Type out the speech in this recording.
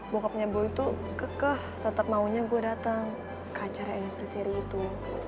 bokapnya boy tuh kekeh tetap maunya gue datang ke acara editnya seri itu